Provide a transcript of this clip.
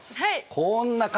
こんな感じ。